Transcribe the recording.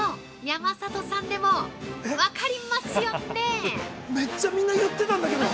山里さんでも分かりますよね。